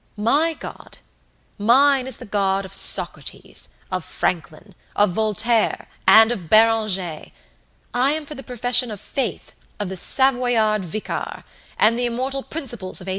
My God! Mine is the God of Socrates, of Franklin, of Voltaire, and of Beranger! I am for the profession of faith of the 'Savoyard Vicar,' and the immortal principles of '89!